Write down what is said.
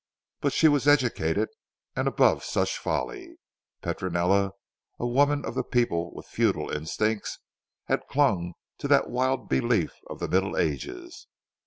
But she was educated, and above such folly. Petronella, a woman of the people with feudal instincts, had clung to that wild belief of the Middle Ages.